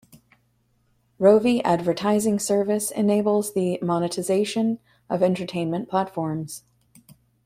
Rovi Advertising Service enables the monetization of entertainment platforms.